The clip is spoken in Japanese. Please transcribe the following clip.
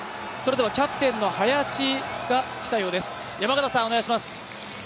キャプテンの林が来たようです。